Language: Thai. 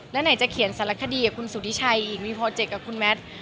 แล้วไหนจะเขียนสารคดีกับคุณสุธิชัยหญิงมีโปรเจกต์กับคุณแมท